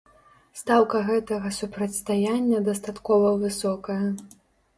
Стаўка гэтага супрацьстаяння дастаткова высокая.